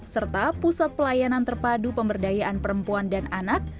serta pusat pelayanan terpadu pemberdayaan perempuan dan anak